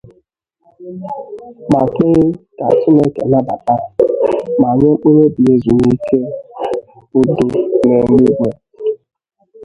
ma kpee ka Chineke nabàta ma nye mkpụrụobi ya ezumike udo n'eluigwe.